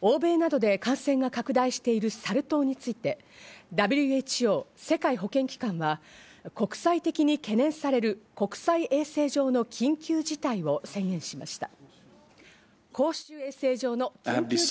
欧米などで感染が拡大しているサル痘について、ＷＨＯ＝世界保健機関は、国際的に懸念される公衆衛生上の緊急事態を宣言しました。